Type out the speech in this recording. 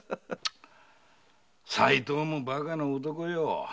齋藤もバカな男よ。